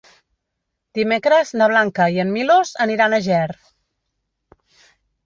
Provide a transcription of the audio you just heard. Dimecres na Blanca i en Milos aniran a Ger.